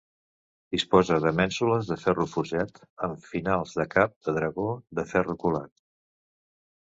Disposa de mènsules de ferro forjat amb finals de cap de dragó de ferro colat.